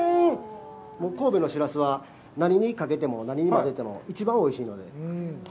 神戸のしらすは何にかけても何にまぜても一番おいしいので。